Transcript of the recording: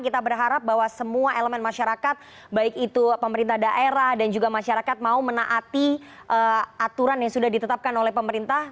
kita berharap bahwa semua elemen masyarakat baik itu pemerintah daerah dan juga masyarakat mau menaati aturan yang sudah ditetapkan oleh pemerintah